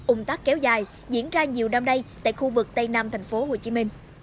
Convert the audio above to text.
ung tát kéo dài diễn ra nhiều năm đây tại khu vực tây nam tp hcm